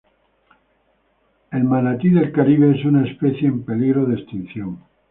El manatí del Caribe es una especie en peligro de extinción.